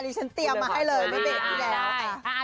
นี่ฉันเตรียมมาให้เลยไม่เป็นอีกแล้ว